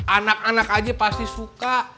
anak anak aja pasti suka